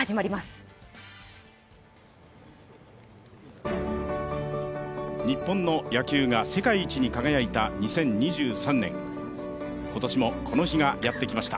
５日本の野球が世界一に輝いた２０２３年、今年もこの日がやってきました。